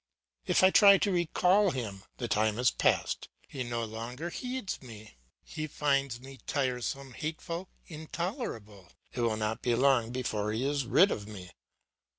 If I try to recall him, the time is past, he no longer heeds me, he finds me tiresome, hateful, intolerable; it will not be long before he is rid of me.